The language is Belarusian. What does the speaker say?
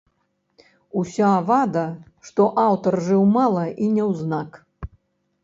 Уся вада, што аўтар жыў мала і няўзнак.